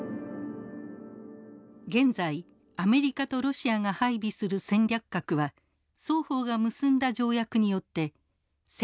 現在アメリカとロシアが配備する戦略核は双方が結んだ条約によって１，５５０発までに制限されています。